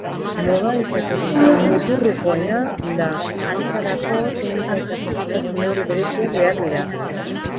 Modalitaterik muturrekoena da, honetarako teknika eta segurtasun neurri bereziak behar dira.